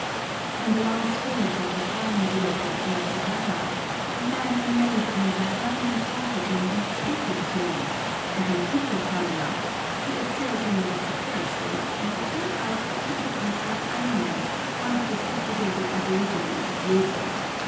In the long street of the farming village of Matsuhara a man amazed me by running in front of me and speaking to me, and on Ito coming up, he assailed him vociferously, and it turned out that he took me for an Aino, one of the subjugated aborigines of Yezo.